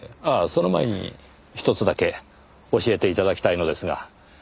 ああその前にひとつだけ教えて頂きたいのですが。